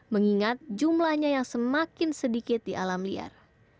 mengingat jumlahnya yang semakin sedikit di alam liar